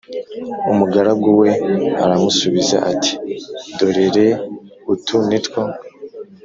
Umugaragu we aramusubiza ati Dorere utu nitwo